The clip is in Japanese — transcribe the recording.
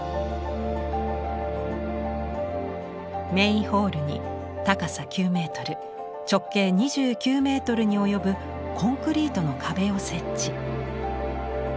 メインホールに高さ９メートル直径２９メートルに及ぶコンクリートの壁を設置。